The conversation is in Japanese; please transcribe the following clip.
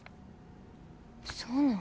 そうなん？